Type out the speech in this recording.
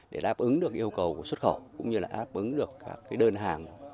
để đáp ứng được yêu cầu của xuất khẩu cũng như là đáp ứng được các đơn hàng